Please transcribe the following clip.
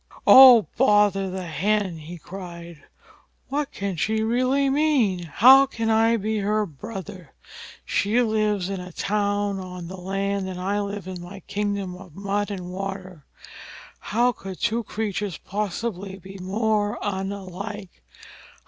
"Oh, bother the Hen!" he cried, "what can she mean, really? How can I be her brother? She lives in a town on the land, and I live in my kingdom of mud and water. How could two creatures possibly be more unlike?